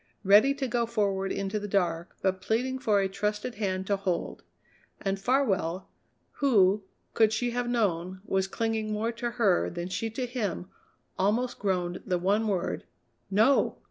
Ready to go forward into the dark, but pleading for a trusted hand to hold. And Farwell, who, could she have known, was clinging more to her than she to him, almost groaned the one word: "No!"